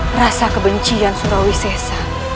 merasa keberahan surawi sesa